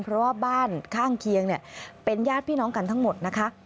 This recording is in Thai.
เพราะว่าบ้านข้างเคียงเป็นญาติพี่น้องกันทั้งหมดนะคะ